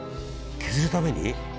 削るために？